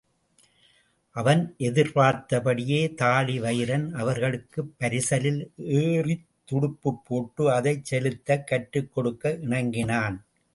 அவன் எதிர்பார்த்தபடியே தாழிவயிறன் அவர்களுக்குப் பரிசலில் ஏறித் துடுப்புப் போட்டு அதைச் செலுத்தக் கற்றுக்கொடுக்க இணங்கினான்.